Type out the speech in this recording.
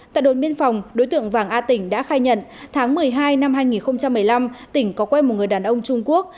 tại đồn biên phòng đối tượng vàng a tỉnh đã khai nhận tháng một mươi hai năm hai nghìn một mươi năm tỉnh có quen một người đàn ông trung quốc